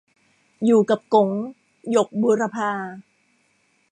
อยู่กับก๋ง- หยก บูรพา